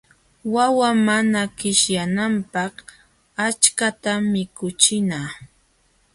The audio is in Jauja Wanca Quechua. Wawa mana qishyananpaq achkatam mikuchina.